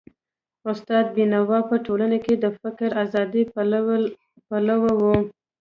استاد بينوا په ټولنه کي د فکري ازادۍ پلوی و.